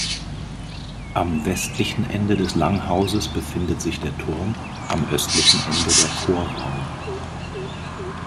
Am westlichen Ende des Langhauses befindet sich der Turm, am östlichen Ende der Chorraum.